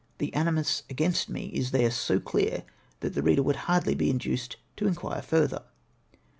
The animus against me is there so clear, that the reader would hardly be induced to inquire further.